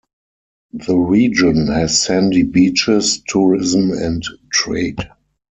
The region has sandy beaches, tourism and trade.